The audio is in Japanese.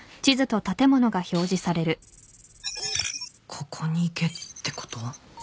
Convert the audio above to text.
ここに行けってこと？